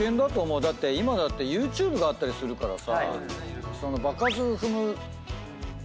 今だってＹｏｕＴｕｂｅがあったりするからさ。